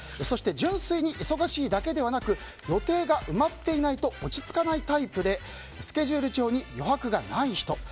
そして純粋に忙しいだけではなく予定が埋まっていないと落ち着かないタイプでスケジュール帳に余白がない人。